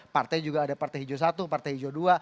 partai juga ada partai hijau satu partai hijau dua